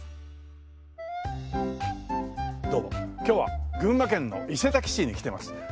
今日は群馬県の伊勢崎市に来ています。